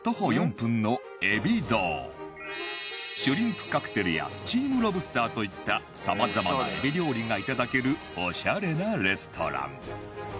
シュリンプカクテルやスチームロブスターといったさまざまなエビ料理がいただけるオシャレなレストラン